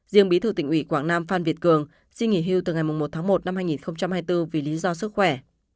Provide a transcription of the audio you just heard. riêng bí thư tỉnh ủy quảng nam phan việt cường xin nghỉ hưu từ ngày một tháng một năm hai nghìn hai mươi bốn vì lý do sức khỏe